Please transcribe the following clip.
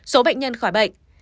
số bệnh nhân khỏi bệnh